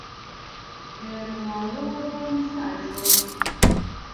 د روڼاوو په مثال شوم